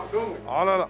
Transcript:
あらら。